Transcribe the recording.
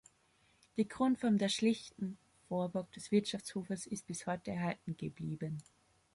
Die Grundform der schlichten Vorburg, des Wirtschaftshofes, ist bis heute erhalten geblieben.